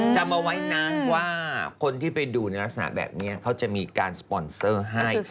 จำเอาไว้นะว่าคนที่ไปดูในลักษณะแบบนี้เขาจะมีการสปอนเซอร์ให้